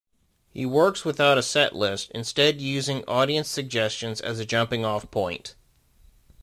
He works without a set list, instead using audience suggestions as a jumping-off point.